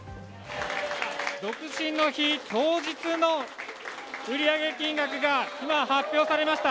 独身の日、当日の売上金額が今、発表されました。